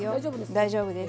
大丈夫です。